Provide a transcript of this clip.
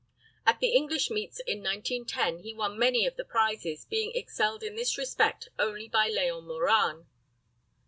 At the English meets in 1910 he won many of the prizes, being excelled in this respect only by Leon Morane.